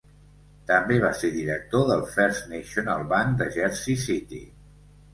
També va ser director del First National Bank de Jersey City.